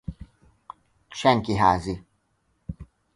Senkiházi!